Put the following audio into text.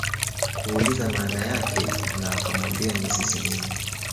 kuuliza maana yake na wakamwambia ni sisimizi